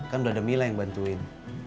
kan udah ada mila yang bantuin